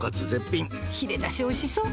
ヒレだしおいしそう。